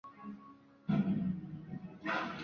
明代的北京城由大兴和宛平两县分管。